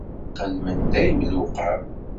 Win ixeddmen dayem lewqam.